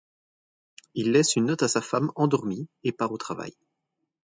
Il laisse une note à sa femme endormie et part au travail.